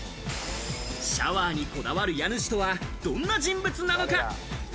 シャワーにこだわる家主とはどんな人物なのか。